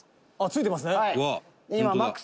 「ついてますね」